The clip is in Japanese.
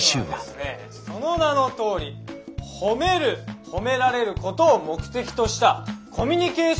その名のとおり褒める褒められることを目的としたコミュニケーション